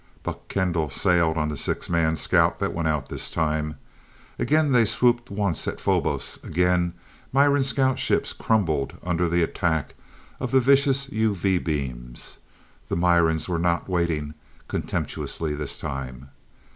Buck Kendall sailed on the six man scout that went out this time. Again they swooped once at Phobos, again Miran scout ships crumbled under the attack of the vicious UV beams. The Mirans were not waiting contemptuously this time.